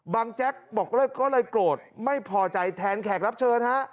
บางแจ๊กบอกเรื่องก็เลยโกรธไม่พอใจแทนแขกรับเชิญ